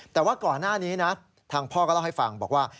แต่ว่าก่อนหน้านี้นะทางพ่อก็เล่าให้ฟังบอกว่า